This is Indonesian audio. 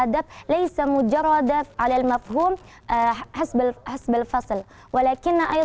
tapi juga diperlakukan di hari hari